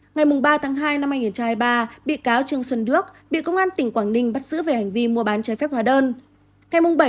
ngày ba hai hai nghìn hai mươi ba bị cáo trương sơn đước bị công an tỉnh quảng ninh bắt giữ về hành vi mua bán trái phép hoa đơn